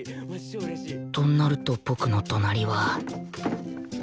となると僕の隣は